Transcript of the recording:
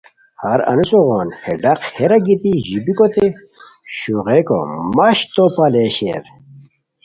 ہر انوسو غون ہے ڈق ہیرا گیتی ژیبیکوتے شروغیکو مہچ تو پالئے شیر